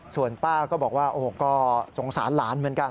ส่วนป้าก็บอกว่าโอ้ก็สงสารหลานเหมือนกัน